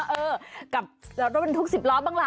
เออกับรถมันทุก๑๐รอบบ้างล่ะ